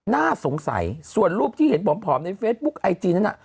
น่าสงสัยส่วนรูปที่เห็นผอมในเฟซบุ๊คไอจีนั้นน่ะ